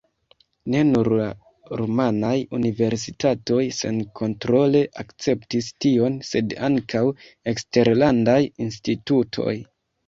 Ne nur la rumanaj universitatoj senkontrole akceptis tion, sed ankaŭ eksterlandaj institutoj.